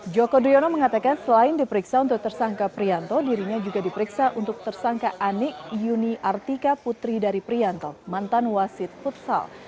joko driono mengatakan selain diperiksa untuk tersangka prianto dirinya juga diperiksa untuk tersangka anik yuni artika putri dari prianto mantan wasit futsal